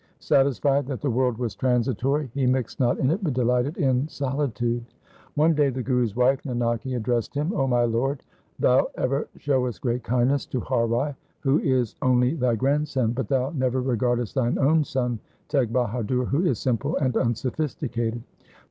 Satisfied that the world was transitory, he mixed not in it, but delighted in solitude. One day the Guru's wife Nanaki addressed him, ' O my lord, thou ever showest great kindness to Har Rai, who is only thy grandson, but thou never regardest thine own son Teg Bahadur, who is simple and unsophisticated.